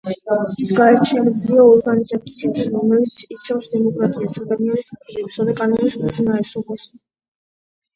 ის გაერთიანებულია ორგანიზაციაში, რომელიც იცავს დემოკრატიას, ადამიანის უფლებებსა და კანონის უზენაესობას.